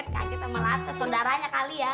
kakek sama lata saudaranya kali ya